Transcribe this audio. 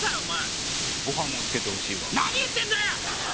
お前ご飯もつけてほしいわ何言ってんだよ